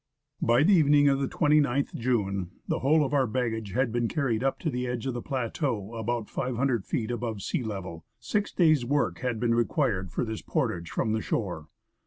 By the evening of the 29th June, the whole of our baggage had been carried up to the edge of the plateau, about 500 feet above sea level. Six days' work had been required for this portage from the shore.